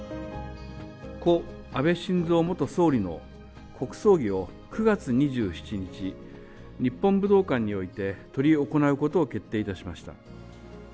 故・安倍晋三元総理の国葬儀を、９月２７日、日本武道館において執り行うことを決定いたしました。